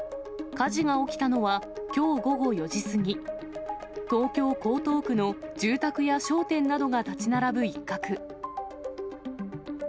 火事が起きたのは、きょう午後４時過ぎ、東京・江東区の住宅や商店などが建ち並ぶ一角。